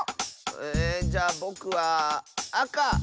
えじゃぼくはあか！